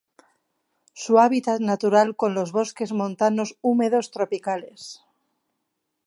Su hábitat natural con los bosques montanos húmedos tropicales.